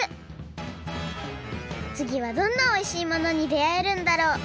つぎはどんなおいしいものにであえるんだろう？